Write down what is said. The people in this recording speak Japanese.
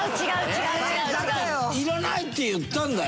「いらない」って言ったんだよ。